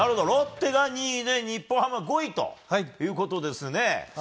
ロッテが２位で日本ハムは５位ということですね。